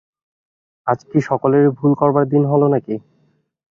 আজ কি সকলেরই ভুল করবার দিন হল না কি?